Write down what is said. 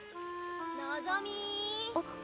のぞみ！